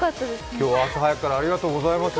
今日は朝早くからありがとうございました。